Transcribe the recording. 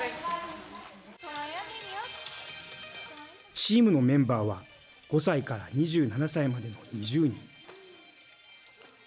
チームのメンバーは５歳から２７歳までの２０人。